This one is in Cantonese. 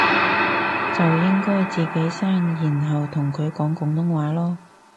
就應該自己生然後同佢講廣東話囉